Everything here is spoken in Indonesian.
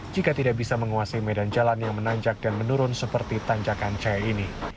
jika tidak bisa menguasai medan jalan yang menanjak dan menurun seperti tanjakan cahaya ini